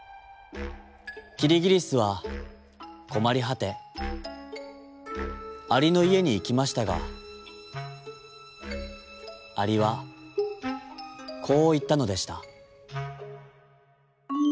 キリギリスはこまりはてアリのいえにいきましたがアリはこういったのでした。